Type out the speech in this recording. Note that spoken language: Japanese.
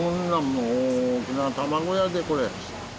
大きな卵やでこれ。